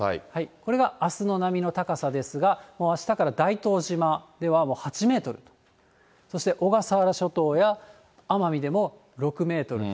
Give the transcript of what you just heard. これがあすの波の高さですが、あしたから大東島では８メートル、そして、小笠原諸島や奄美でも６メートルと。